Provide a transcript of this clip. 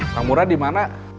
pak murad di mana